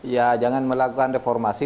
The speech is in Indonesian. ya jangan melakukan reformasi